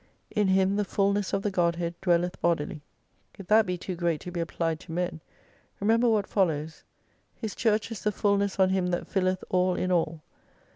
In Him the fulness of the GodJiead dwelleth bodily. If that be too great to be applied to men, remember what follows, His Church is the fulness oj Him that filleth all in all.